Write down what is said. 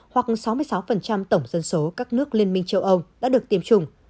hoặc sáu mươi sáu tổng dân số các nước liên minh châu âu đã được tiêm chủng